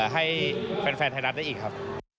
ให้แฟนไทยรัฐได้อีกครับ